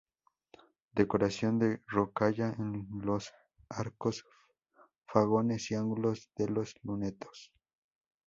Decoración de rocalla en los arcos fajones y ángulos de los lunetos.